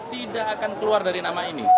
tidak akan keluar dari nama ini